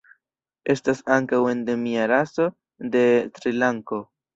Estas ankaŭ endemia raso en Srilanko.